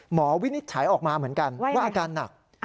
วินิจฉัยออกมาเหมือนกันว่าอาการหนัก